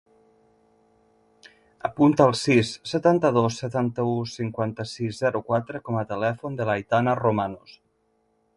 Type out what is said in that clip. Apunta el sis, setanta-dos, setanta-u, cinquanta-sis, zero, quatre com a telèfon de l'Aitana Romanos.